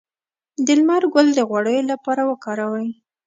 د لمر ګل د غوړیو لپاره وکاروئ